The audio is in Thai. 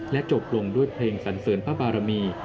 จบลงด้วยเพลงสันเสริญพระบารมี